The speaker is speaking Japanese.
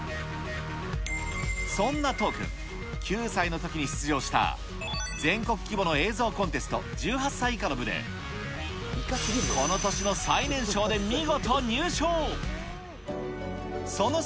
そんな都央君、９歳のときに出場した全国規模の映像コンテスト１８歳以下の部で、この年の最年少で見事入賞。